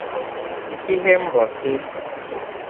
nke Ihembọsị